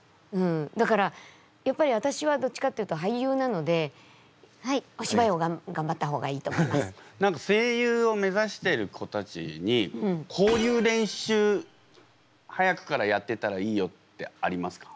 だからやっぱり私はどっちかっていうと俳優なので何か声優をめざしてる子たちにこういう練習早くからやってたらいいよってありますか？